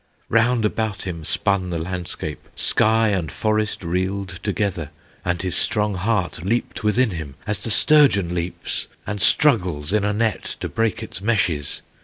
Round about him spun the landscape, Sky and forest reeled together, And his strong heart leaped within him, As the sturgeon leaps and struggles In a net to break its meshes.